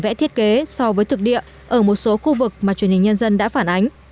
các đơn vị liên quan vẽ thiết kế so với thực địa ở một số khu vực mà truyền hình nhân dân đã phản ánh